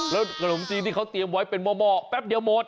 แล้วขนมจีนที่เขาเตรียมไว้เป็นหม้อแป๊บเดียวหมด